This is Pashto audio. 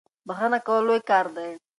بخښنه کول لوی کار دی.